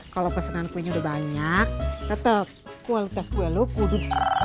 kalau pesenan kuenya udah banyak tetep kue lutas kue lo kudu